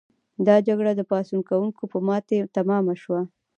دا جګړه د پاڅون کوونکو په ماتې تمامه شوه.